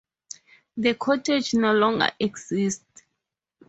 The cottage no longer exists.